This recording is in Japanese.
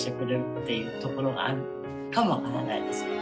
っていうところがあるかも分からないです。